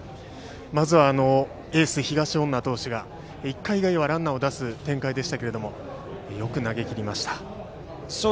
まずはエース、東恩納投手が１回以外はランナーを出す展開でしたがよく投げきりました。